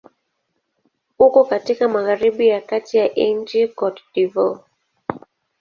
Uko katika magharibi ya kati ya nchi Cote d'Ivoire.